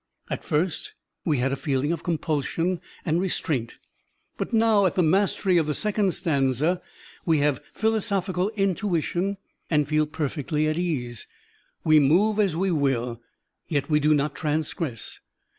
At first we had a feeling of compulsion and restraint, but now at the mastery of the second stanza we have philosophical intuition and feel perfectly at ease. We move as we will, yet we do not transgress.